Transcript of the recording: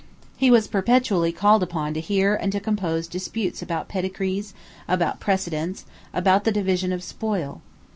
He was perpetually called upon to hear and to compose disputes about pedigrees, about precedence, about the division of spoil.